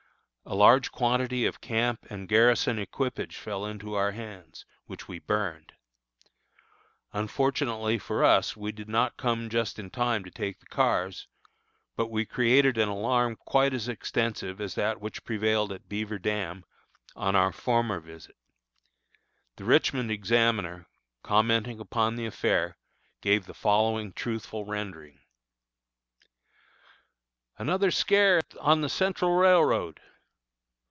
A large quantity of camp and garrison equipage fell into our hands, which we burned. Unfortunately for us we did not come just in time to take the cars, but we created an alarm quite as extensive as that which prevailed at Beaver Dam, on our former visit. The Richmond Examiner, commenting upon the affair, gave the following truthful rendering: ANOTHER SCARE ON THE CENTRAL ROAD.